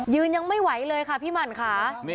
ยังไม่ไหวเลยค่ะพี่หมั่นค่ะ